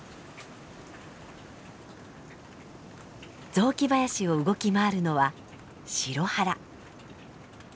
雑木林を動き回るのはシロハラ。